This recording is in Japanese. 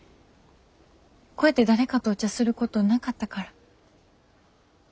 こうやって誰かとお茶することなかったから。